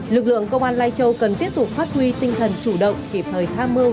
lực lượng công an lai châu cần tiếp tục phát huy tinh thần chủ động kịp thời tham mưu